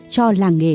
cho làng nghề